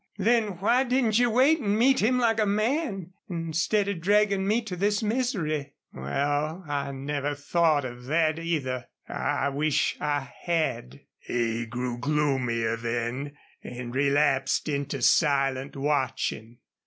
Then why didn't you wait and meet him like a man instead of dragging me to this misery?" "Wal, I never thought of thet, either. I wished I had." He grew gloomier then and relapsed into silent watching.